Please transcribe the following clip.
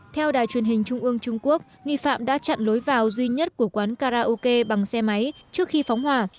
theo đài truyền hình trung ương trung quốc nghi phạm đã chặn lối vào duy nhất của quán karaoke bằng xe máy trước khi phóng hỏa